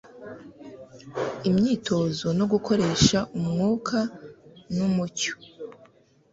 Imyitozo no gukoresha umwuka numucyo